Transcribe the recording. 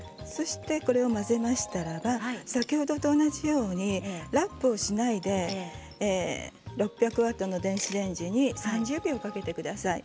混ぜましたら先ほどと同じようにラップをしないで６００ワットの電子レンジに３０秒程入れてください。